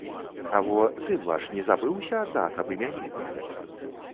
А во, сын ваш не забыўся, аднак, аб імянінах?